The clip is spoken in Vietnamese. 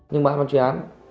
nhưng mà án phân truyền án